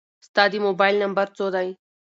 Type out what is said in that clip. ستا د موبایل نمبر څو دی؟